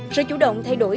sự chủ động thay đổi